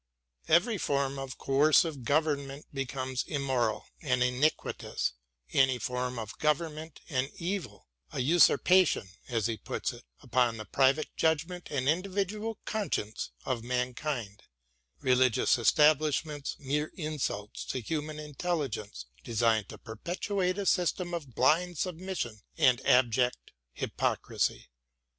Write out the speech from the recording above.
Every form of_ coercive government becomes immoral and iniquitous : any form of government an evil —" a usurpation," as he puts it, "upon the private judgment and individual conscience of mankind ": religious establishments mere insults to human intelligence, designed to perpetuate a system of blind submission and abject hypocrisy.